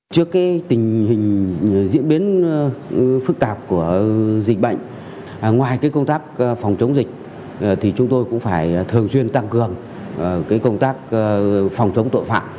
trước tình hình diễn biến phức tạp của dịch bệnh ngoài công tác phòng chống dịch thì chúng tôi cũng phải thường xuyên tăng cường công tác phòng chống tội phạm